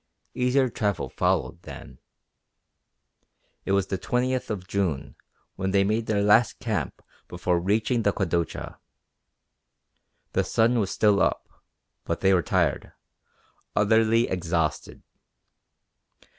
Easier travel followed then. It was the twentieth of June when they made their last camp before reaching the Kwadocha. The sun was still up; but they were tired, utterly exhausted.